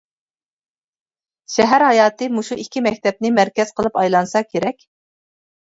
شەھەر ھاياتى مۇشۇ ئىككى مەكتەپنى مەركەز قىلىپ ئايلانسا كېرەك.